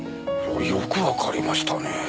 よくわかりましたねえ。